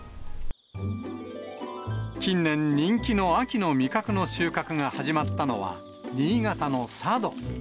近年、人気の秋の味覚の収穫が始まったのは、新潟の佐渡。